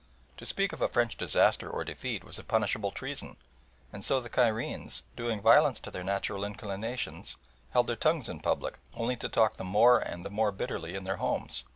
To speak of a French disaster or defeat was a punishable treason, and so the Cairenes, doing violence to their natural inclinations, held their tongues in public, only to talk the more and the more bitterly in their homes.